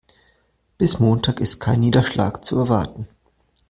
Bis Montag ist kein Niederschlag zu erwarten.